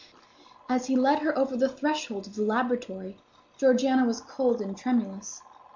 As he led her over the threshold of the laboratory, Georgiana was cold and tremulous.